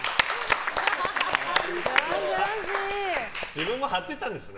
自分も貼ってたんですね。